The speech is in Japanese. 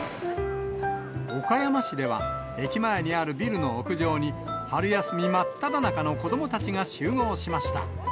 岡山市では、駅前にあるビルの屋上に、春休み真っただ中の子どもたちが集合しました。